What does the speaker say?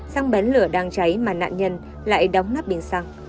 xăng bén lửa đang cháy mà nạn nhân lại đóng nắp bình xăng